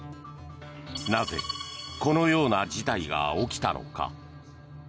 なぜこのような事態が起きたのか。